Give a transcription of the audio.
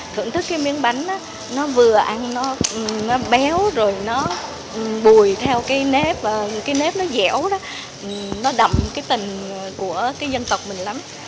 thưởng thức cái miếng bánh nó vừa ăn nó béo rồi nó bùi theo cái nếp cái nếp nó dẻo đó nó đậm cái tình của cái dân tộc mình lắm